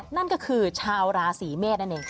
นั่นก็คือชาวราศีเมษนั่นเอง